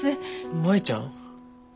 舞ちゃん。